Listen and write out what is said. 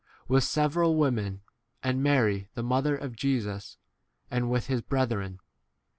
with [several] women, and Mary the mother of Jesus, and with his 15 brethren.